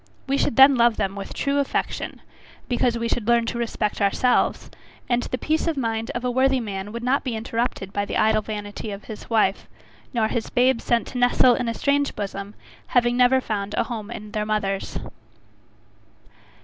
We should then love them with true affection, because we should learn to respect ourselves; and the peace of mind of a worthy man would not be interrupted by the idle vanity of his wife, nor his babes sent to nestle in a strange bosom, having never found a home in their mother's.